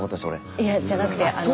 いやじゃなくてあの。